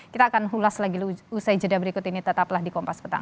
kita akan ulas lagi usai jeda berikut ini tetaplah di kompas petang